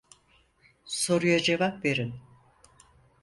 Soruya cevap verin.